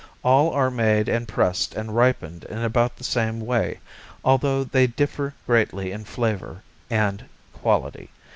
All are made and pressed and ripened in about the same way, although they differ greatly in flavor and quality.